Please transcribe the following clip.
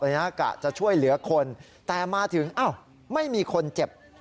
กะจะช่วยเหลือคนแต่มาถึงอ้าวไม่มีคนเจ็บ